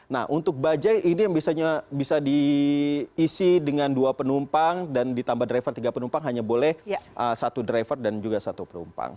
nah untuk bajaj ini yang bisa diisi dengan dua penumpang dan ditambah driver tiga penumpang hanya boleh satu driver dan juga satu penumpang